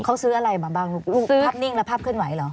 เขาซื้ออะไรมาบ้างลูกภาพนิ่งและภาพเคลื่อนไหวเหรอ